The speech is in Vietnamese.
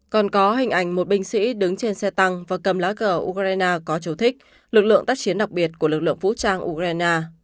còn có hình ảnh một binh sĩ đứng trên xe tăng và cầm lá cờ ukraine có dấu thích lực lượng tác chiến đặc biệt của lực lượng vũ trang ukraine